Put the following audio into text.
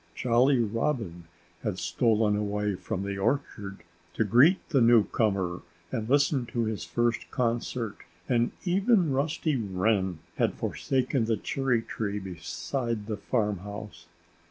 Jolly Robin had stolen away from the orchard to greet the newcomer and listen to his first concert. And even Rusty Wren had forsaken the cherry tree beside the farmhouse.